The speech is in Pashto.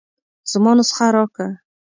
زما نسخه راکه.